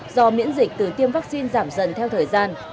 do miễn dịch từ tiêm vaccine giảm dần theo thời gian